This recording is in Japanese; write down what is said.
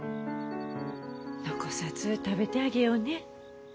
残さず食べてあげようね。